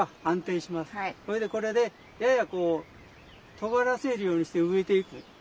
それでこれでややこうとがらせるようにして植えていく。